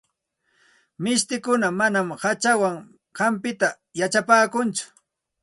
Mishtikuna manam hachawan hampita yachapaakunchu.